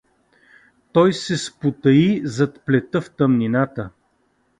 Той се спотаи зад плета в тъмнината.